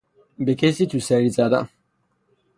به کسی توسری زدن